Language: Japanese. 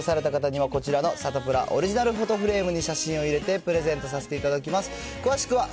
採用された方にはこちらのサタプラオリジナルフォトフレームに写真を入れてプレゼントさせていただきます。